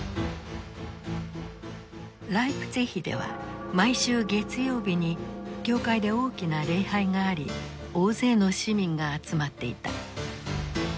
ライプツィヒでは毎週月曜日に教会で大きな礼拝があり大勢の市民が集まっていた。